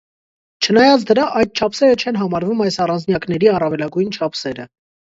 Չնայած դրա, այդ չափսերը չեն համարվում այս առանձնյակների առավելագույն չափսերը։